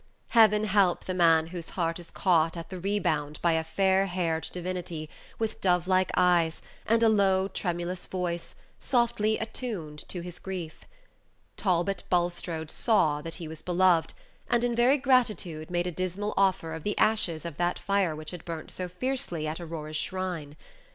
Heaven help the man whose heart is caught at the rebound by a fair haired divinity, with dove like eyes, and a low, tremulous voice, softly attuned to his grief. Talbot Bulstrode saw that he was beloved, and in very gratitude made a dismal offer of the ashes of that fire which had burnt so fiercely at Aurora's shrine.